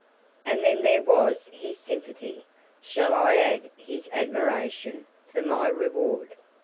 And then there was his sympathy shall I add his admiration? for my reward.